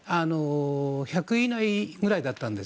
１００位以内くらいだったんです。